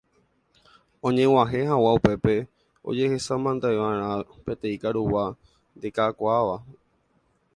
Oñeg̃uahẽ hag̃ua upépe ojehasamanteva'erã peteĩ karugua ndekakuaáva.